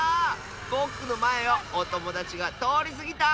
ぼくのまえをおともだちがとおりすぎた！